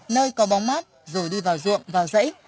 nơi có bóng mát rồi đi vào ruộng và dãy